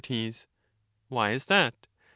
Soc. Why is that ?